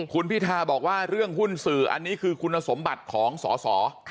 คุณพิทาบอกว่าเรื่องหุ้นสื่ออันนี้คือคุณสมบัติของสอสอ